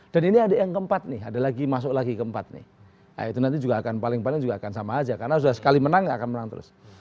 dan ini ada yang keempat nih ada lagi masuk lagi keempat nih nah itu nanti juga akan paling paling juga akan sama aja karena sudah sekali menang akan menang terus